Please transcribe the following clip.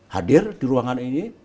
hadir di ruangan ini